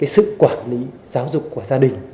sức quản lý giáo dục của gia đình